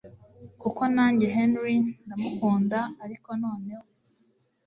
kuko najye Henry ndamukunda ariko noneho